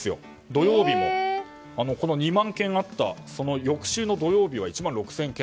土曜日も、２万件あったその翌週の土曜日は１万６０００件。